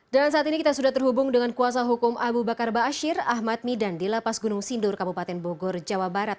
dan saat ini kita sudah terhubung dengan kuasa hukum abu bakar ba'asyir ahmad midan di lepas gunung sindur kabupaten bogor jawa barat